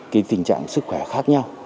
thì tình trạng sức khỏe khác nhau